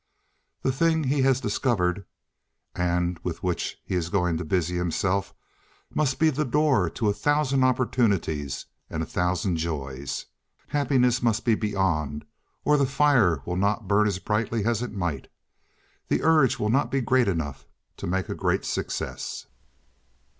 The thing he has discovered, and with which he is going to busy himself, must be the door to a thousand opportunities and a thousand joys. Happiness must be beyond or the fire will not burn as brightly as it might—the urge will not be great enough to make a great success.